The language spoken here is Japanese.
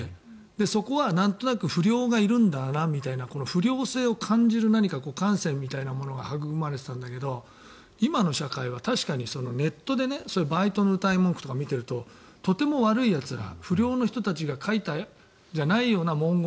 そこはなんとなく不良がいるんだなみたいな不良性を感じるみたいな感性みたいなものが育まれていたんだけど今の社会は確かにネットでバイトのうたい文句とか見てるととても悪いやつら不良の人たちが書いたんじゃないような文言